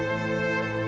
saya udah nggak peduli